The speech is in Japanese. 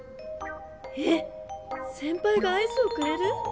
えっ⁉せんぱいがアイスをくれる？